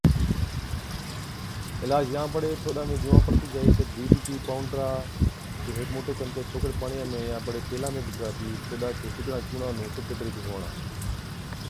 عِلاج، يان بڙي ٺوڏا ۾ جُوئان پڙتِي جائِي تہ ڊِي، ڊِي ٽِي پونڊرا چي هيڪ موٽَي چمچَي ٿوڪڙي پاڻِيان ۾ يان بڙي تيلا ۾ بِچڙاتِي ٺوڏا چي سِگڙان چُونڻان نُون سُٺي طرِيقي سُون هڻا۔